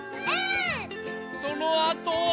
そのあとは。